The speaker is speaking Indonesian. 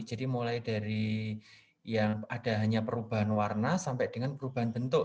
jadi mulai dari yang ada hanya perubahan warna sampai dengan perubahan bentuk